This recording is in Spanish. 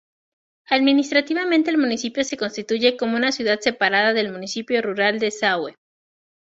Administrativamente el municipio se constituye como una ciudad separada del municipio rural de Saue.